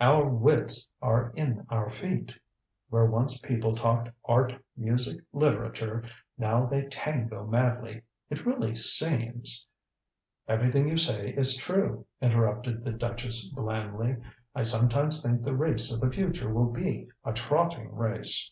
Our wits are in our feet. Where once people talked art, music, literature now they tango madly. It really seems " "Everything you say is true," interrupted the duchess blandly. "I sometimes think the race of the future will be a trotting race."